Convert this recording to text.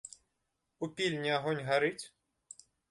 У пільні агонь гарыць?